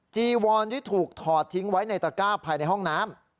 จีวอนที่ถูกถอดทิ้งไว้ในตระก้าภายในห้องน้ำ